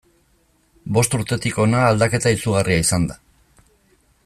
Bost urtetik hona aldaketa izugarria izan da.